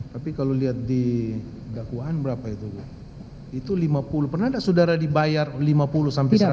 tapi kalau lihat di dakwaan berapa itu itu lima puluh pernah ada saudara dibayar lima puluh sampai seratus